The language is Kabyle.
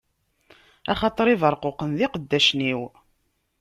Axaṭer Ibeṛquqen d iqeddacen-iw.